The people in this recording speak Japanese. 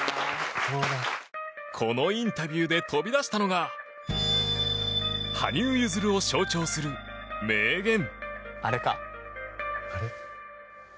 このインタビューで飛び出したのが羽生結弦を象徴する名言。